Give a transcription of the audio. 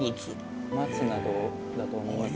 松などだと思いますが。